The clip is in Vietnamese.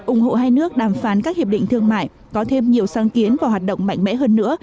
ủng hộ hai nước đàm phán các hiệp định thương mại có thêm nhiều sáng kiến và hoạt động mạnh mẽ hơn nữa